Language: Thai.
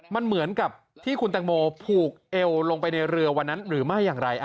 มันเหมือนกับที่คุณตังโมผูกเอวลงไปในเรือวันนั้นหรือไม่อย่างไร